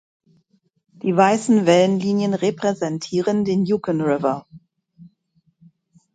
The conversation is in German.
Die weißen Wellenlinien repräsentieren den Yukon River.